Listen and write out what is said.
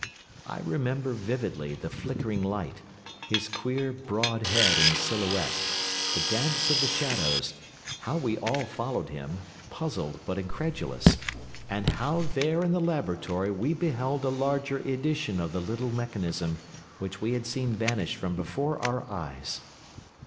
I remember vividly the flickering light, his queer, broad head in silhouette, the dance of the shadows, how we all followed him, puzzled but incredulous, and how there in the laboratory we beheld a larger edition of the little mechanism which we had seen vanish from before our eyes.